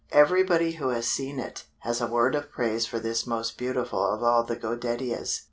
Everybody who has seen it, has a word of praise for this most beautiful of all the Godetias.